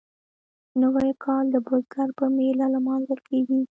نوی کال د بزګر په میله لمانځل کیږي.